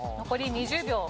残り２０秒。